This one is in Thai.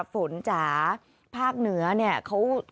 ฝนจากภาคเหนือเนี่ย